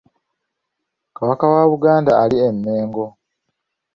Kabaka wa Buganda ali eMengo.